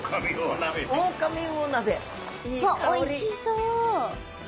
わっおいしそう。